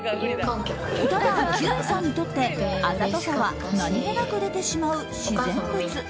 ただ、休井さんにとってあざとさは何気なく出てしまう自然物。